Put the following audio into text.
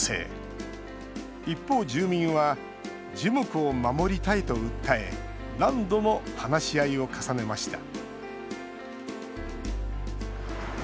一方、住民は樹木を守りたいと訴え何度も話し合いを重ねました